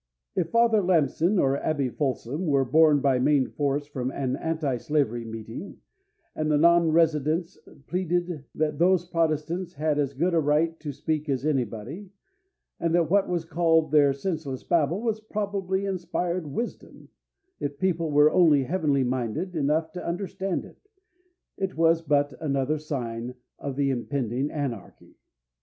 If Father Lamson or Abby Folsom were borne by main force from an antislavery meeting, and the non resistants pleaded that those protestants had as good a right to speak as anybody, and that what was called their senseless babble was probably inspired wisdom, if people were only heavenly minded enough to understand it, it was but another sign of the impending anarchy.